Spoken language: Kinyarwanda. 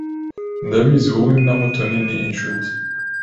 Ndabizi wowe na Mutoni ni inshuti.